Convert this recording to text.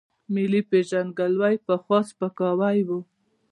ملي پېژندګلوۍ پخوا سپکاوی و.